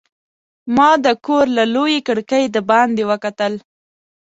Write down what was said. ما د کور له لویې کړکۍ د باندې وکتل.